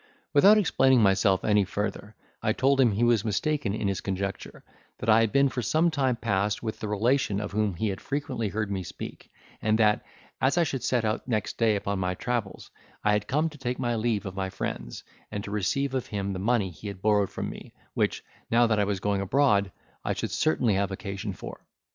Without explaining myself any further, I told him he was mistaken in his conjecture; that I had been for some time past with the relation of whom he had frequently heard me speak; and that, as I should set out next day upon my travels, I had come to take my leave of my friends, and to receive of him the money he had borrowed from me, which, now that I was going abroad, I should certainly have occasion for.